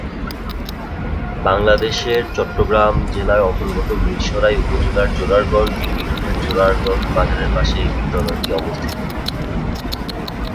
বাংলাদেশের চট্টগ্রাম জেলার অন্তর্গত মীরসরাই উপজেলার জোরারগঞ্জ ইউনিয়নের জোরারগঞ্জ বাজারের পাশে এ বিদ্যালয়টি অবস্থিত।